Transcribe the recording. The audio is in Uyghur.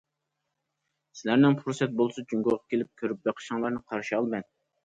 سىلەرنىڭ پۇرسەت بولسا جۇڭگوغا كېلىپ كۆرۈپ بېقىشىڭلارنى قارشى ئالىمەن.